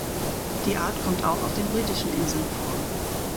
Die Art kommt auch auf den Britischen Inseln vor.